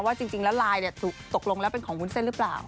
ว่าจริงแล้วไลน์ตกลงแล้วเป็นของวุ้นเส้นหรือเปล่า